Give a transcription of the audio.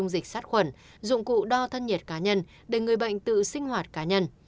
dịch sát khuẩn dụng cụ đo thân nhiệt cá nhân để người bệnh tự sinh hoạt cá nhân